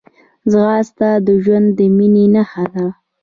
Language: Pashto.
ځغاسته د ژوند د مینې نښه ده